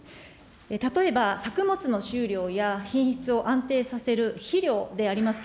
例えば、作物の収量や品質を安定させる肥料であります